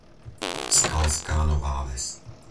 Skalská Nová Ves